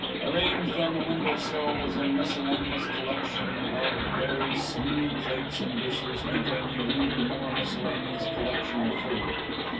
Arranged on the window sill was a miscellaneous collection of very smeary plates and dishes, containing an even more miscellaneous collection of food.